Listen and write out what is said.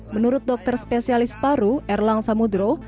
menurut dokter spesialis paru erlang samudro